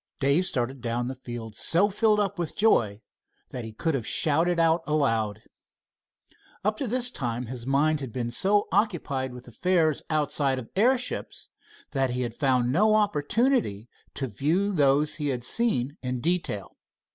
Dave started down the field so filled with joy that he could have shouted out aloud. Up to this time his mind had been so occupied with affairs outside of airships, that he had found no opportunity to view those he had seen in detail.